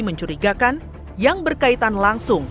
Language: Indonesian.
mencurigakan yang berkaitan langsung